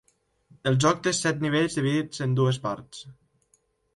El joc té set nivells dividits en dues parts.